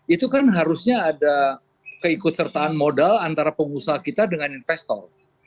itu kan harusnya ada keikut sertaan modal antara pengusaha kita dengan investor